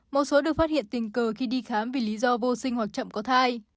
một số được phát hiện tình cờ khi đi khám vì lý do vô sinh hoặc chậm có thai